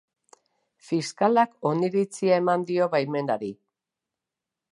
Fiskalak oniritzia eman dio baimenari.